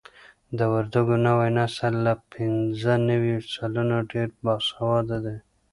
د وردګو نوی نسل له پنځه نوي سلنه ډېر باسواده دي.